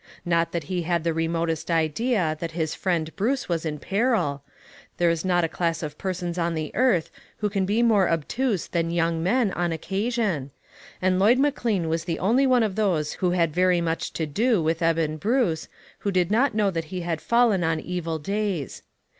Not that he had the remotest idea that his friend Bruce was in peril. There is not a class of persons on the earth who 259 260 ONE COMMONPLACE DAY. can be more obtuse than young men, on occasion. And Lloyd McLean was the only one of those who had very much to do with Eben Bruce, who did not know that he 'had fallen on evil days.